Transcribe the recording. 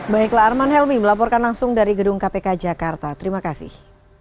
mohon helmy melaporkan langsung dari gedung kpk jakarta terima kasih